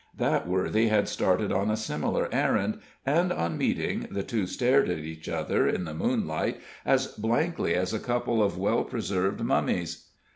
That worthy had started on a similar errand, and on meeting, the two stared at each other in the moonlight as blankly as a couple of well preserved mummies.